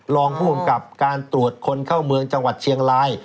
รองผู้กำกับการตรวจคนเข้าเมืองจังหวัดเชียงราย